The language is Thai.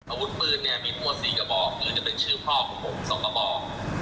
อาวุธปืนเนี้ยมีตัวสี่กระบอกคือจะเป็นชื่อพ่อของผมสองกระบอก